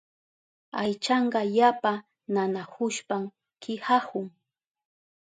Aychanka yapa nanahushpan kihahun.